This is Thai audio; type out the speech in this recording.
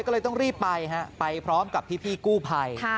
ก็เลยต้องรีบไปฮะไปพร้อมกับพี่กู้ภัย